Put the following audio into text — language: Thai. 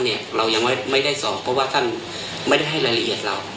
เรายังไม่ได้สอบเพราะว่าท่านไม่ได้ให้รายละเอียดเรา